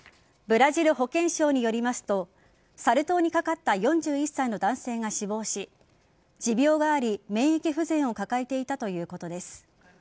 ブラジル保健省によりますとサル痘にかかった４１歳の男性が死亡し持病があり、免疫不全を抱えていたということです。